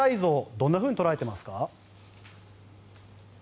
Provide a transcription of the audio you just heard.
どんなふうに捉えていますか？